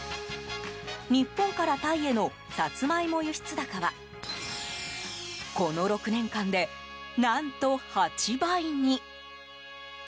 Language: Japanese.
日本からタイへのサツマイモ輸出高はこの６年間で、何と８倍に。